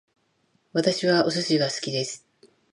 私はお寿司が好きです